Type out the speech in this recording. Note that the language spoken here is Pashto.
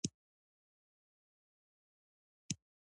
د رسنیو له لارې خلک خپل استعداد څرګندوي.